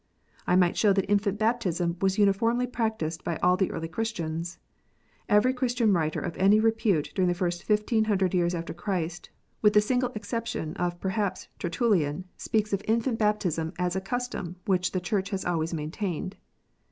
I might show that infant baptism was uniformly practised by all the early Christians. Every Christian writer of any repute during the first 1500 years after Christ, with the single exception of perhaps Tertullian, speaks of infant baptism as a custom which the Church has always maintained.